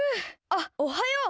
あっおはよう。